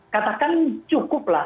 katakanlah kalau dari sisi regulasi sudah